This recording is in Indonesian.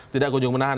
tidak kunjung menahan